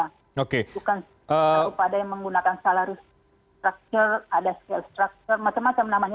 bukan upah ada yang menggunakan salaris struktur ada scale struktur macam macam namanya